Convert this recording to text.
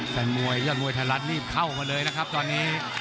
แฟนมวยยอดมวยไทยรัฐรีบเข้ามาเลยนะครับตอนนี้